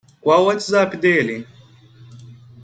Qual o WhatsApp dele?